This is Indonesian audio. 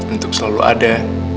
untuk selalu ada